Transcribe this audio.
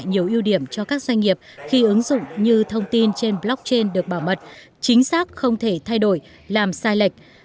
và cũng là một yếu điểm cho các doanh nghiệp khi ứng dụng như thông tin trên blockchain được bảo mật chính xác không thể thay đổi làm sai lệch